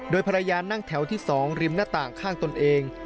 ภรรยานั่งแถวที่๒ริมหน้าต่างข้างตนเอง